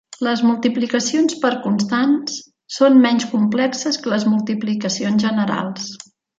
Les multiplicacions per constants són menys complexes que les multiplicacions generals.